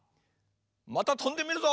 またとんでみるぞ！